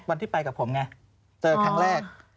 วันที่ไปกับผมไงเจอครั้งแรก